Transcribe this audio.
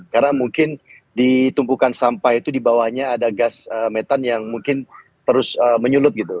karena mungkin ditumpukan sampah itu di bawahnya ada gas metan yang mungkin terus menyulut gitu